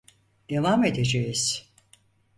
Devam edeceğiz.